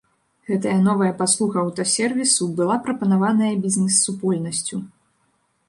Гэтая новая паслуга аўтасервісу была прапанаваная бізнэс-супольнасцю.